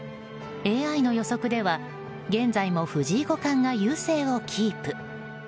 ＡＩの予測では現在も藤井五冠が優勢をキープ。